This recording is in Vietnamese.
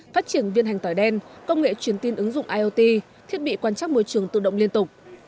phát triển viên hành tỏi đen công nghệ truyền tin ứng dụng iot thiết bị quan trắc môi trường tự động liên tục